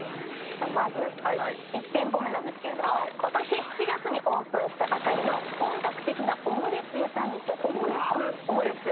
まず１店舗目なんですけれども今年７月にオープンしたばかりの本格派オムレツ屋さんに行きたいと思います。